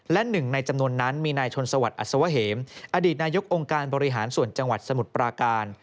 และหนึ่งในจำนวนนั้นมีนายชนสวัสดิอัศวะเหมอดีตนายกองค์การบริหารส่วนจังหวัดสมุทรปราการ